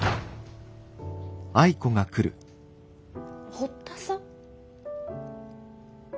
堀田さん？